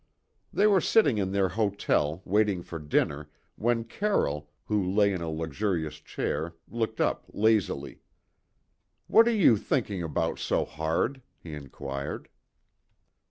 They were sitting in their hotel, waiting for dinner, when Carroll, who lay in a luxurious chair, looked up lazily. "What are you thinking about so hard?" he inquired.